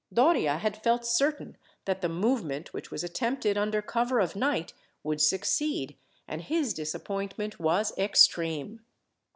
Doria had felt certain that the movement, which was attempted under cover of night, would succeed, and his disappointment was extreme.